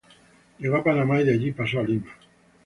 Llegó a Panamá y de allí pasó a Lima.